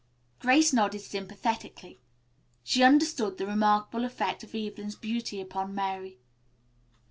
Grace nodded sympathetically. She understood the remarkable effect of Evelyn's beauty upon Mary.